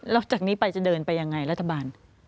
แล้วจากนี้ไปจะเดินไปยังไงรัฐบาล